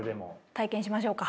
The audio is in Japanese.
体験しましょうか。